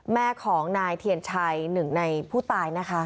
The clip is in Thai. แม่ของนายเทียนชัยหนึ่งในผู้ตายนะคะ